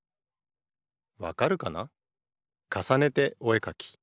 「わかるかな？かさねておえかき」